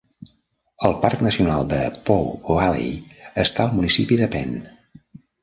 El parc nacional de Poe Valley està al municipi de Penn.